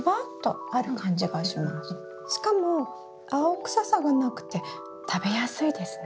しかも青臭さがなくて食べやすいですね。